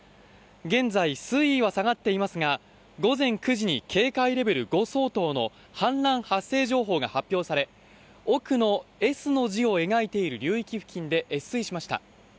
現在、水位は下がっていますが、午前９時に警戒レベル５相当の氾濫発生情報が発表され、奥のＳの字を描いている流域付近で越水しました。